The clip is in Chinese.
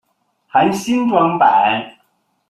含新装版。